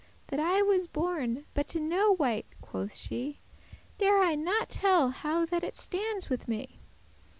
That I was born; but to no wight," quoth she, "Dare I not tell how that it stands with me.